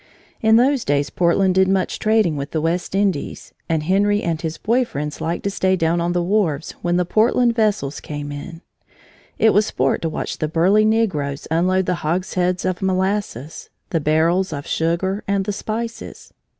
In those days Portland did much trading with the West Indies, and Henry and his boy friends liked to stay down at the wharves when the Portland vessels came in. It was sport to watch the burly negroes unload the hogsheads of molasses, the barrels of sugar, and the spices.